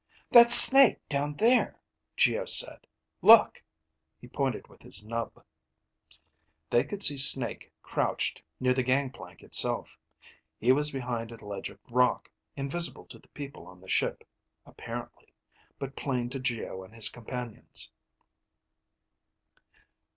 "That's Snake down there," Geo said. "Look!" He pointed with his nub. They could see Snake crouched near the gangplank itself. He was behind a ledge of rock, invisible to the people on the ship, apparently, but plain to Geo and his companions.